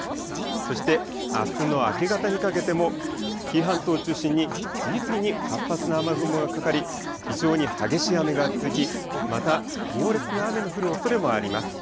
そしてあすの明け方にかけても紀伊半島を中心に次々に活発な雨雲がかかり非常に激しい雨が続き、また猛烈な雨の降るおそれもあります。